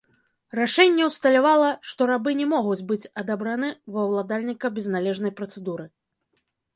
Рашэнне ўсталявала, што рабы не могуць быць адабраны ва ўладальніка без належнай працэдуры.